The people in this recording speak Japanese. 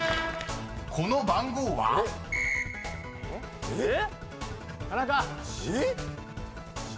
［この番号は？］えっ？